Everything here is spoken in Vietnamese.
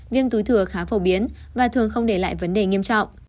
viêm túi thừa khá phổ biến và thường không để lại vấn đề nghiêm trọng